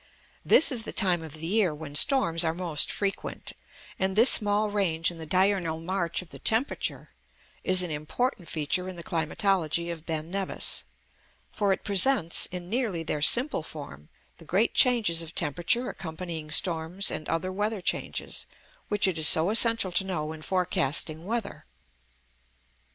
This is the time of the year when storms are most frequent; and this small range in the diurnal march of the temperature is an important feature in the climatology of Ben Nevis; for it presents, in nearly their simple form, the great changes of temperature accompanying storms and other weather changes, which it is so essential to know in forecasting weather.